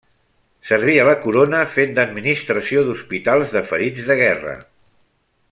Serví a la corona fent d’administració d’hospitals de ferits de Guerra.